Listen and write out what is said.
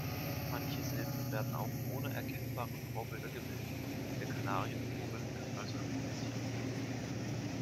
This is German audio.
Manche Silben werden auch ohne erkennbare Vorbilder gebildet, der Kanarienvogel kann also improvisieren.